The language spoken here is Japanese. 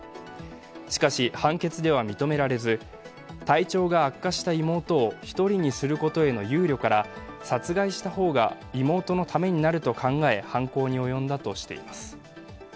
しかし、判決では認められず、体調が悪化した妹を１人にすることへの憂慮から殺害した方が妹のためになると考え、犯行に及んだとしています。